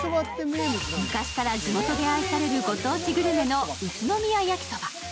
昔から地元で愛されるご当地グルメの宇都宮焼きそば。